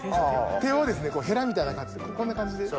手をヘラみたいな感じでこんな感じで。